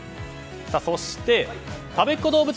そしてたべっ子どうぶつ